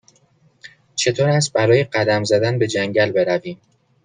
چطور است برای قدم زدن به جنگل برویم؟